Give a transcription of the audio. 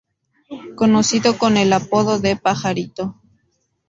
Conocido con el apodo de "Pajarito".